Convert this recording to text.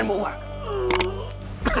yang akan terdiri